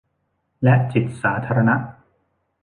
และจิตสาธารณะ